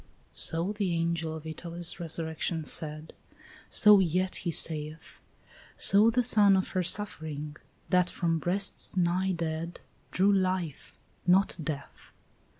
So the angel of Italy's resurrection said, So yet he saith; So the son of her suffering, that from breasts nigh dead Drew life, not death.